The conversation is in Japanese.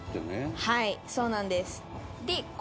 はいそうなんです。